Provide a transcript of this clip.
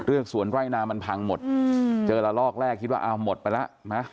กสวนไร่นามันพังหมดเจอละลอกแรกคิดว่าอ้าวหมดไปแล้วนะ